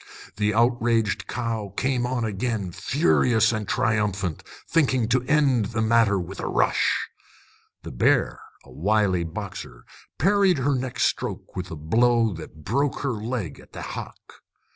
The outraged cow came on again furious and triumphant, thinking to end the matter with a rush. The bear, a wily boxer, parried her next stroke with a blow that broke her leg at the hock.